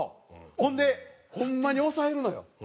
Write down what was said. ほんでホンマに抑えるのよ。